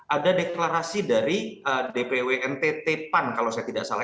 ada deklarasi dari dpw ntt pan kalau saya tidak salah